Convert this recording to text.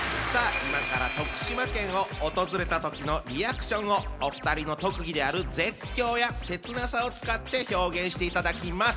今から徳島県をおとずれたときのリアクションをお二人の特技である絶叫や切なさを使って表現していただきます。